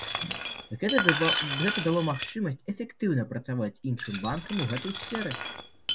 Гэта дало магчымасць эфектыўна працаваць іншым банкам у гэтай сферы.